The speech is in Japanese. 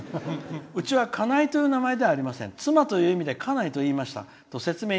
うちは、かないではありません妻という意味で家内と言いましたと説明